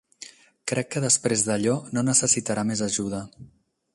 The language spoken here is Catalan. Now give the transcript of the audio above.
Crec que després d'allò no necessitarà més ajuda.